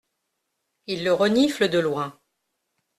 Il le renifle de loin.